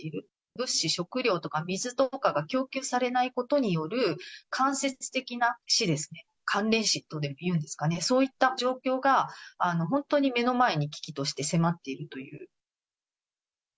物資、食料とか水とかが供給されないことによる、間接的な死ですね、かんれん死とでもいうんですかね、そういった状況が本当に目の前に危機として迫っているという。